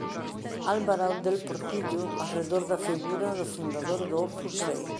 Álvaro del Portillo arredor da figura do fundador do Opus Dei.